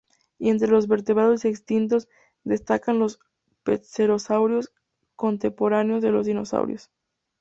Y entre los vertebrados extintos, destacan los pterosaurios, contemporáneos de los dinosaurios.